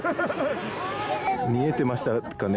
見えてましたかね？